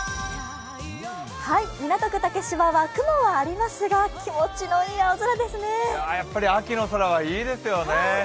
港区竹芝は雲はありますがやっぱり秋の空はいいですよね。